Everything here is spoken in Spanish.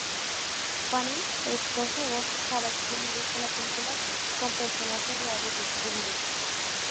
Fanning prestó su voz para Scooby-Doo en las películas con personajes reales de Scooby-Doo.